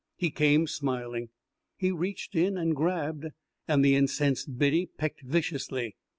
He came, smiling. He reached in and grabbed, and the incensed biddy pecked viciously.